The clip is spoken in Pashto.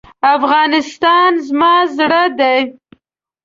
افغانستان زما زړه دی.